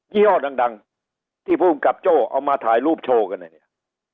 ี่ห้อดังที่ภูมิกับโจ้เอามาถ่ายรูปโชว์กันเนี่ย